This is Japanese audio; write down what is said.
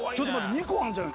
２個あんじゃん！